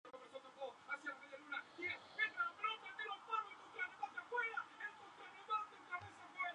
Fue miembro del consejo de Cámara y de las juntas de Guerra e Indias.